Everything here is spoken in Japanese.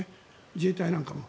自衛隊なんかも。